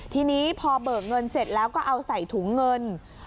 ทีนี้พอเบิกเงินเสร็จแล้วก็เอาใส่ถุงเงิน